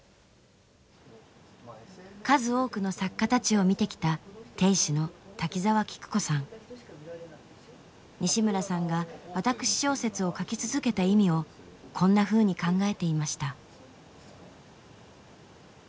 数多くの作家たちを見てきた西村さんが私小説を書き続けた意味をこんなふうに考えていました。